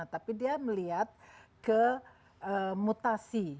tapi dia melihat ke mutasi